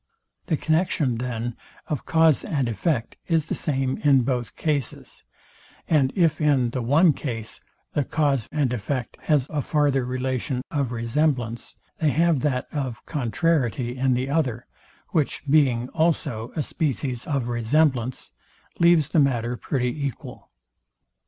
The connexion, then, of cause and effect is the same in both cases; and if in the one case, the cause and effect have a farther relation of resemblance, they have that of contrariety in the other; which, being also a species of resemblance, leaves the matter pretty equal.